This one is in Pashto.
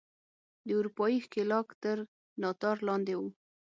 د اروپايي ښکېلاک تر ناتار لاندې وو.